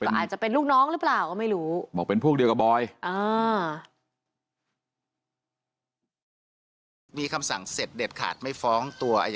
และส่งจดหมายไปถึงอายการปานเลย